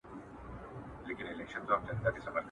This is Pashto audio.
د کار ځواک کمښت د صنعت پرمختګ ټکنی کوي.